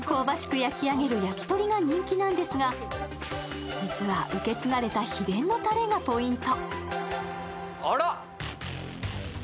焼き上げる焼き鳥が人気なんですが、実は、受け継がれた秘伝のたれがポイント。